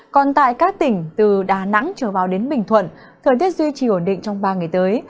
còn tại các tỉnh từ đà nẵng trở vào đến bình thuận thời tiết duy trì ổn định trong ba ngày tới